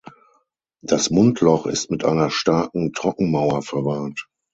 Das Mundloch ist mit einer starken Trockenmauer verwahrt.